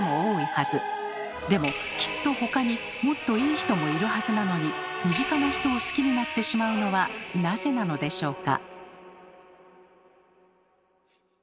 でもきっと他にもっといい人もいるはずなのに身近な人を好きになってしまうのはなぜなのでしょうか？